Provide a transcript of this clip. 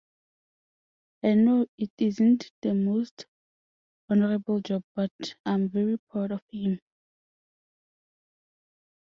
I know it isn't the most honourable job, but I'm very proud of him.